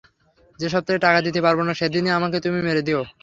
যে সপ্তাহে টাকা দিতে পারব না, সেদিনই আমাকে তুমি মেরে দিয়ো।